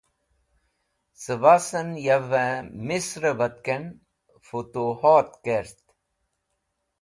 Cebasan Yawe Misre Batken Futuhot Kert